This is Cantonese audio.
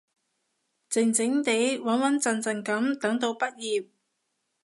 靜靜哋，穩穩陣陣噉等到畢業